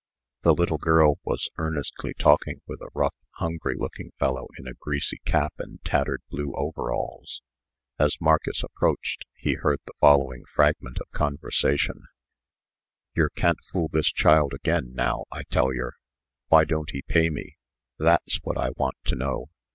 The little girl was earnestly talking with a rough, hungry looking fellow in a greasy cap and tattered blue overalls. As Marcus approached, he heard the following fragment of conversation: "Yer can't fool this child again, now, I tell yer. Why don't he pay me? that's what I want to know.